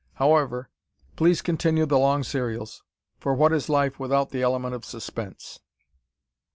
However, please continue the long serials, for what is life without the element of suspense?